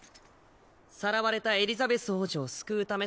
さらわれたエリザベス王女を救うためさ。